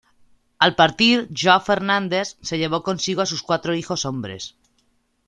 Al partir, João Fernandes se llevó consigo a sus cuatro hijos hombres.